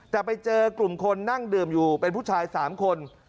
แต่ไปเจอกลุ่มคนนั่งดื่มอยู่เป็นผู้ชาย๓คน